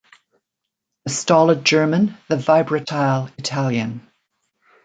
The stolid German, the vibratile Italian!